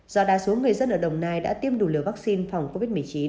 do đa số người dân ở đồng nai đã tiêm đủ liều vaccine phòng covid một mươi chín